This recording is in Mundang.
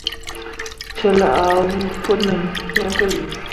Celle a huu pu nin hi puli.